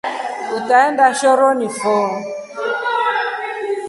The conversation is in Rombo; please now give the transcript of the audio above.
Utaenda shoroni fo.